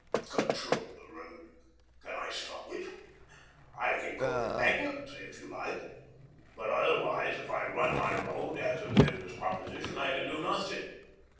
Control the road! Can I stop it? I can go into bankruptcy if you like. But otherwise if I run my road, as a business proposition, I can do nothing.